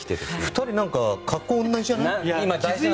２人格好が同じじゃない？